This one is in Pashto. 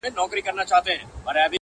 وروستۍ خبره دا چي